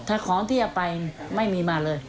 ถ้าของที่จะไปไม่มีมาเลย